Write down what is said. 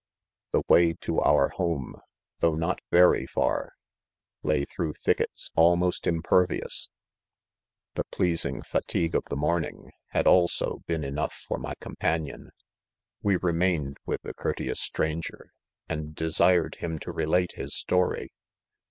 The way to Oliff ■ home, though not very far, lay through PROLOGUE, 11 thickets almost impervious j the pleasing fa tigue of the morning" had also been enough for my companion j' we remained with the cour teous stranger, and desired him to relate his story.